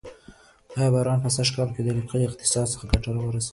آیا باران به سږکال د کلي اقتصاد ته ګټه ورسوي؟